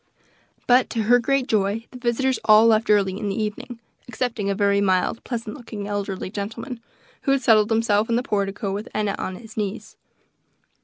But, to her great joy, the visitors all left early in the evening, excepting a very mild, pleasant looking, elderly gentleman, who had settled himself in the portico, with Enna on his knees.